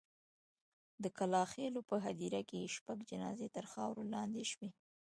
د کلا خېلو په هدیره کې شپږ جنازې تر خاورو لاندې شوې.